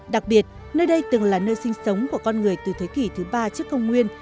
đặc biệt nơi đây từng là nơi sinh sống của con người từ thế kỷ thứ ba trước công nguyên